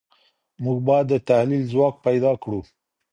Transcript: موږ بايد د تحليل ځواک پيدا کړو.